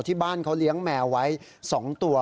ที่บ้านเขาเลี้ยงแมวไว้๒ตัว